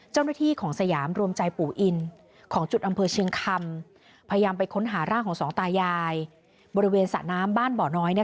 ชิคกี้พายได้ค้นหาร่างของสองตายาบริเวณสระน้ำบ่าวน้อย